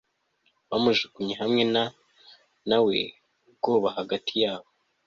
Bamujugunye hamwe nawe ubwoba hagati yabo